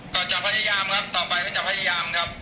ก็จะพยายามครับต่อไปก็จะพยายามครับ